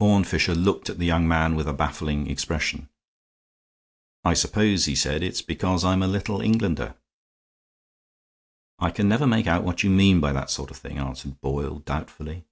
Horne Fisher looked at the young man with a baffling expression. "I suppose," he said, "it's because I'm a Little Englander." "I can never make out what you mean by that sort of thing," answered Boyle, doubtfully.